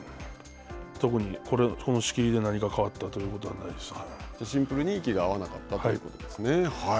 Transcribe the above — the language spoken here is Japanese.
特にこの仕切りで何か変わったとシンプルに息が合わなかったということですね。